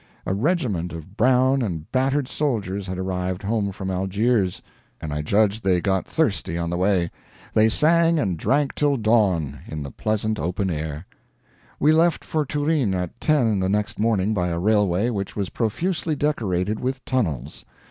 A regiment of brown and battered soldiers had arrived home from Algiers, and I judged they got thirsty on the way. They sang and drank till dawn, in the pleasant open air. We left for Turin at ten the next morning by a railway which was profusely decorated with tunnels.